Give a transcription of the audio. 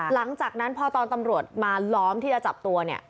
หลังจากนั้นพอตอนตำรวจมาล้อมที่จะจับตัวเนี่ย